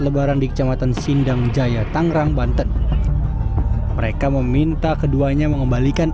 lebaran di kecamatan sindang jaya tangerang banten mereka meminta keduanya mengembalikan